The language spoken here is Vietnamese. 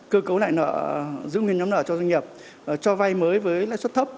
cơ cấu lại nợ giữ nguyên nhóm nợ cho doanh nghiệp cho vay mới với lãi suất thấp